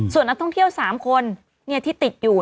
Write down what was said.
ส่วนนักท่องเที่ยว๓คนที่ติดอยู่